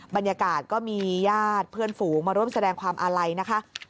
บรรยากาศก็มีญาติเพื่อนฝูงมาร่วมแสดงความอาลัยนะคะ